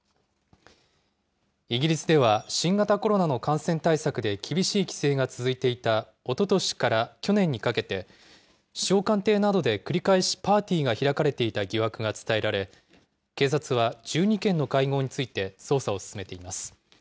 イギリスでは、新型コロナの感染対策で厳しい規制が続いていたおととしから去年にかけて、首相官邸などで繰り返しパーティーが開かれていた疑惑が伝えられ、警察は１２件の会合について捜査を進めています。